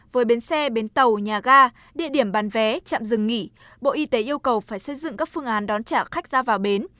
với bến xe bến tàu nhà ga địa điểm bán vé chạm dừng nghỉ bộ y tế yêu cầu phải xây dựng các phương án đón trả khách ra vào bến